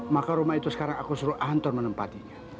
maka rumah itu sekarang aku suruh anton menempatinya